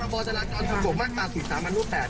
ตามธจราจรกษ์ประโยชน์มาตรศูนย์สามอันรุ่นแปด